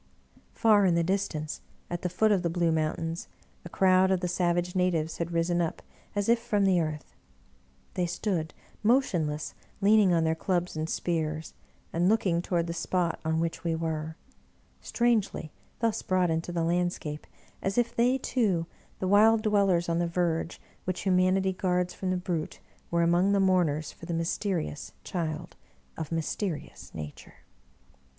Far in the distance, at the foot of the blue mountains, a crowd of the savage natives had risen up as if from the earth; they stood motionless leaning on their clubs and spears, and looking toward the spot on which we were — strangely thus brought into the landscape, as if they too, the wild dwellers on the verge which Humanity guards from the Brute, were among the mourners for the mysterious Child of mysterious Nature